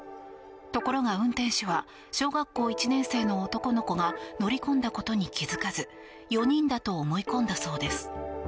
ところが、運転手は小学校１年生の男の子が乗り込んだことに気付かず４人だと思い込んだそうです。